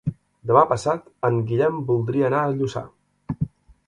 Demà passat en Guillem voldria anar a Lluçà.